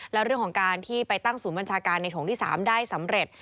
และเรื่องของการที่ไปตั้งศูนย์บัญชาการในถงที่๓ได้สำเร็จ